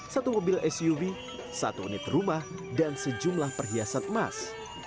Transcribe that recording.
satu mobil suv satu unit rumah dan sejumlah perhiasan emas